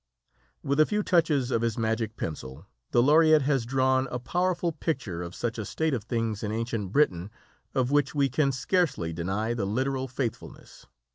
'" With a few touches of his magic pencil the Laureate has drawn a powerful picture of such a state of things in ancient Britain, of which we can scarcely deny the literal faithfulness.